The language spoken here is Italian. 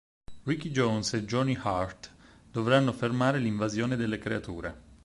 Ricky Jones e Johnny Hart dovranno fermare l'invasione delle creature.